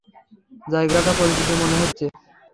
জায়গাটাকে পরিচিত মনে হচ্ছে।